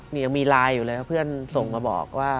นี่ยังมีไลน์อยู่เลยครับเพื่อนส่งมาบอกว่า